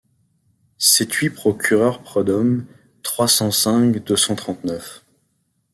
Cettuy procureur Predhomme trois cent cinq deux cent trente-neuf.